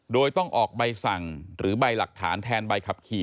โดยต้องออกใบสั่งหรือใบหลักฐานแทนใบขับขี่